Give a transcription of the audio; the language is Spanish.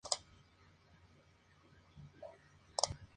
Como no es absenta, nunca se añade anís u otras hierbas parecidas.